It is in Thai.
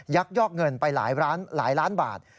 ยักยอกเงินไปหลายล้านบาท